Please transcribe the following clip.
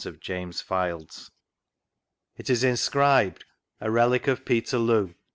of James Fildes. It is in scribed: "A relic of Peterloo.